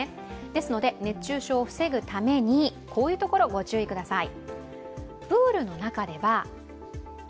ですので、熱中症を防ぐためにこういうところ、ご注意ください。